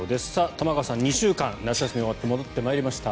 玉川さん、２週間、夏休みが終わって戻ってまいりました。